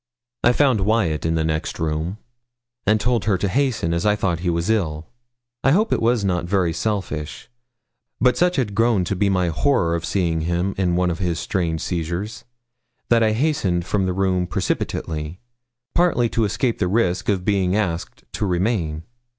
I found Wyat in the next room, and told her to hasten, as I thought he was ill. I hope it was not very selfish, but such had grown to be my horror of seeing him in one of his strange seizures, that I hastened from the room precipitately partly to escape the risk of being asked to remain.